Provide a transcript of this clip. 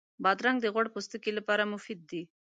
بادرنګ د غوړ پوستکي لپاره مفید دی.